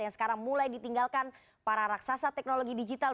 yang sekarang mulai ditinggalkan para raksasa teknologi digital